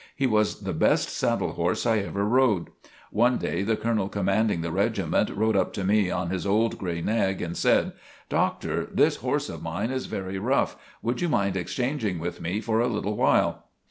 He was the best saddle horse I ever rode. One day the colonel commanding the regiment rode up to me on his old gray nag and said: "Doctor, this horse of mine is very rough. Would you mind exchanging with me for a little while?"